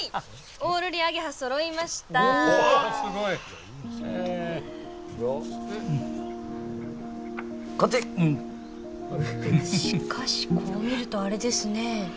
しかしこう見るとあれですね。